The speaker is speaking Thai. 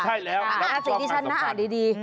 ใช่แล้วราศีที่ฉันน่าอ่านดี